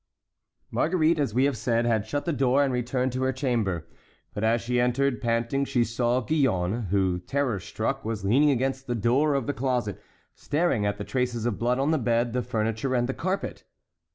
Marguerite, as we have said, had shut the door and returned to her chamber. But as she entered, panting, she saw Gillonne, who, terror struck, was leaning against the door of the closet, staring at the traces of blood on the bed, the furniture, and the carpet.